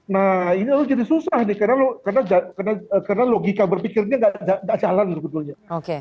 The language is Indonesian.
nah ini jadi susah nih karena logika berpikirnya tidak jalan sebetulnya